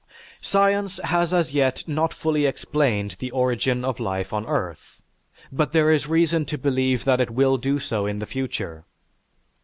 Science has as yet not fully explained the origin of life on earth, but there is reason to believe that it will do so in the future.